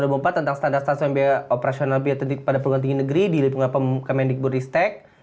tahun dua ribu empat tentang standar standar biaya operasional biaya tenaga pendidik pada perguruan tinggi negeri di limpungan pemengkaman dikbudi stek